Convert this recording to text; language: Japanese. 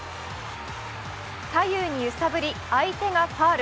左右に揺さぶり、相手がファウル。